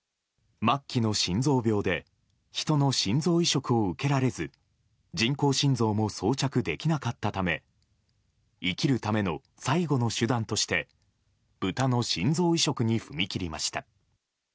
末期の心臓病で人の心臓移植を受けられず人工心臓も装着できなかったため生きるための最後の手段として豚の心臓移植に踏み切りました。